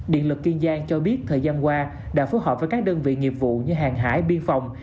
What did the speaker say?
điện lực kiên giang cho biết thời gian qua đã phối hợp với các đơn vị nghiệp vụ như hàng hải biên phòng